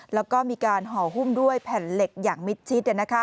แล้วก็มีการห่อหุ้มด้วยแผ่นเหล็กอย่างมิดชิด